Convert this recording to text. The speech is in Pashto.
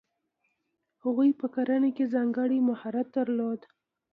هغوی په کرنه کې ځانګړی مهارت درلود.